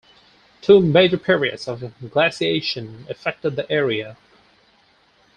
Two major periods of glaciation affected the area.